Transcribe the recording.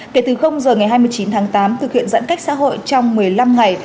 kể từ giờ ngày hai mươi chín tháng tám thực hiện giãn cách xã hội trong một mươi năm ngày